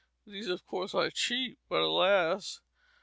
These, of course, are cheap, but alas!